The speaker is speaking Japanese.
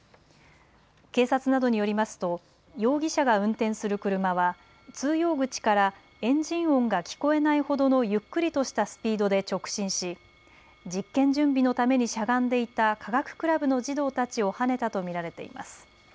警察などによりますと容疑者が運転する車は通用口からエンジン音が聞こえないほどのゆっくりとしたスピードで直進し実験準備のためにしゃがんでいた科学クラブの児童たちをはねたと見られています。